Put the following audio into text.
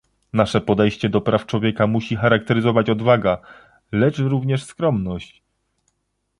Nasze podejście do praw człowieka musi charakteryzować odwaga, lecz również skromność